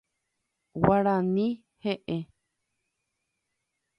Guarani he'ẽ.